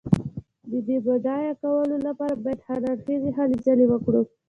د دې د بډای کولو لپاره باید هر اړخیزې هلې ځلې وکړو.